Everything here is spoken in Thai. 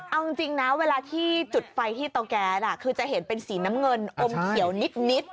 เอาจริงนะเวลาที่จุดไฟที่เตาแก๊สคือจะเห็นเป็นสีน้ำเงินอมเขียวนิด